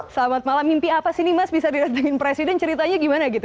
selamat malam mimpi apa sih nih mas bisa didatangin presiden ceritanya gimana gitu